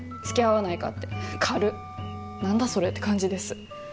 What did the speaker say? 「つきあわないか」って軽っ何だそれ？って感じです